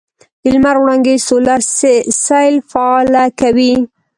د لمر وړانګې سولر سیل فعاله کوي.